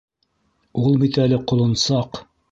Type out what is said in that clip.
Ул бит әле ҡолонсаҡ!